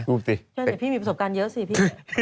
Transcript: นั่นสิพี่มีประสบการณ์เยอะสิพี่